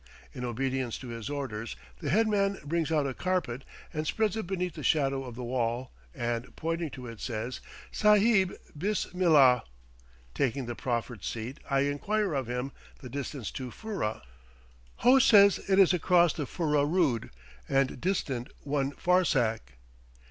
In obedience to his orders the headman brings out a carpet and spreads it beneath the shadow of the wall, and pointing to it, says, "Sahib, bismillah!" Taking the proffered seat, I inquire of him the distance to Furrah. Ho says it is across the Furrah Rood, and distant one farsakh.